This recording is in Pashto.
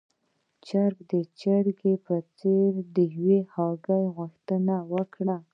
چرګ د چرګې په څېر د يوې هګۍ غوښتنه وکړه.